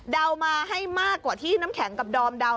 มาให้มากกว่าที่น้ำแข็งกับดอมเดา